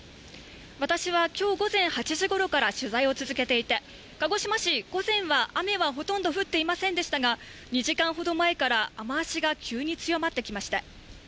私はきょう午前８時ごろから取材を続けていて、鹿児島市、午前は雨はほとんど降っていませんでしたが、２時間ほど前から雨足が急に強まってきました。